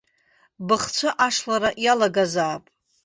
Быхцәы ашлара иалагазаап.